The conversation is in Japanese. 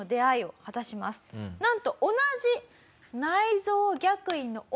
なんと同じ。